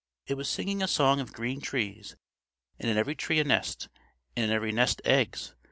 It was singing a song of green trees, and in every tree a nest, and in every nest eggs!